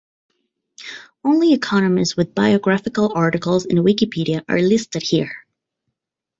Only economists with biographical articles in Wikipedia are listed here.